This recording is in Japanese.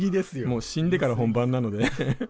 もう死んでから本番なので。